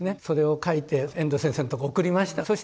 それを書いて遠藤先生のとこ送りました。